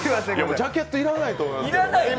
ジャケット要らないと思いますね。